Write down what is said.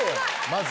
まず。